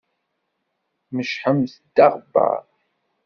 Tmecḥemt-d aɣebbar.